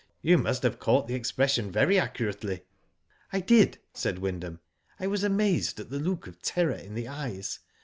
" You must have caught the expression very accurately." *' I did," said Wyndham. " I was amazed at the look of terror in the eyes.